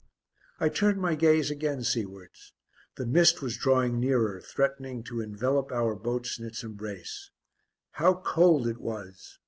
I turned my gaze again seawards: the mist was drawing nearer, threatening to envelop our boats in its embrace. How cold it was!